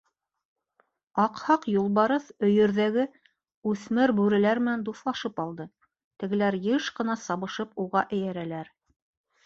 Аҡһаҡ юлбарыҫ өйөрҙәге үҫмер бүреләр менән дуҫлашып алды, тегеләр йыш ҡына сабышып уға эйәрәләр.